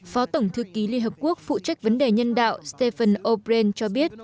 phó tổng thư ký liên hợp quốc phụ trách vấn đề nhân đạo stephen o brien cho biết